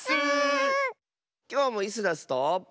きょうもイスダスと。